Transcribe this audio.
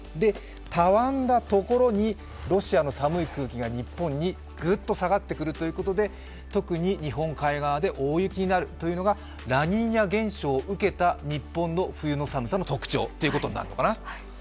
たわんだところにロシアの寒い空気が日本にグッと下がってくるということで特に日本海側で大雪になるというのがラニーニャ現象を受けた日本の冬の寒さの特徴ということになるのかな。